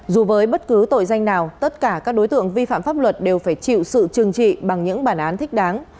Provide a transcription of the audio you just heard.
dù với bất cứ tội danh nào tất cả các đối tượng vi phạm pháp luật đều phải chịu sự trừng trị bằng những bản án thích đáng